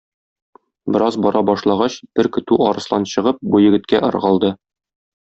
Бераз бара башлагач, бер көтү арыслан чыгып, бу егеткә ыргылды.